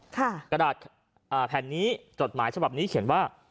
กระดาษอ่าแผ่นนี้จดหมายฉบับนี้เขียนว่า